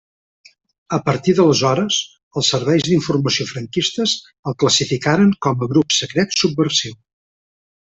A partir d'aleshores, els serveis d'informació franquistes el classificaren com a grup secret subversiu.